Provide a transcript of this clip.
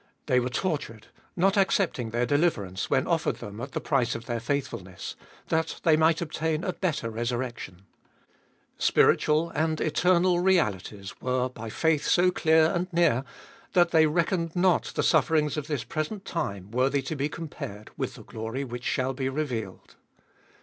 They were tortured, not accepting their deliverance when offered them at the price of their faithfulness, that they might obtain a better resurrection. Spiritual and eternal realities were by faith so clear and near that they reckoned not the sufferings of this present time worthy to be 470 Cbe fjoltest of SH compared with the glory which shall be revealed.